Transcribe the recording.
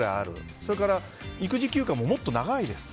それから育児休暇ももっと長いです。